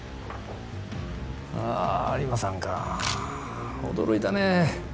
あぁ有馬さんか驚いたね。